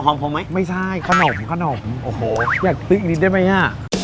ของผมไหมไม่ใช่ขนมขนมโอ้โหอยากติ๊กอีกนิดได้ไหมอ่ะ